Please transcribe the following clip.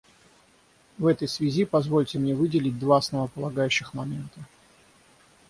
В этой связи позвольте мне выделить два основополагающих момента.